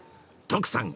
徳さん！